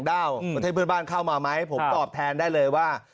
ประเทศเพื่อนบ้านเข้ามาไหมผมตอบแทนได้เลยว่า